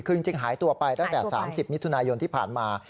คือจริงหายตัวไปหายตัวไปตั้งแต่๓๐นิตุนายนที่ผ่านมา